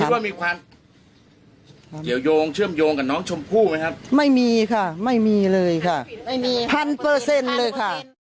ว่ามีความเกี่ยวยงเชื่อมโยงกับน้องชมพู่ไหมครับไม่มีค่ะไม่มีเลยค่ะไม่มีพันเปอร์เซ็นต์เลยค่ะ